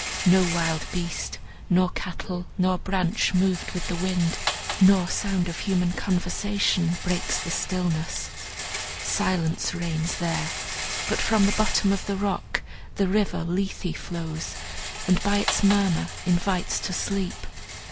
No wild beast, nor cattle, nor branch moved with the wind, nor sound of human conversation, breaks the stillness. Silence reigns there; but from the bottom of the rock the River Lethe flows, and by its murmur invites to sleep.